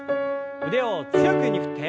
腕を強く上に振って。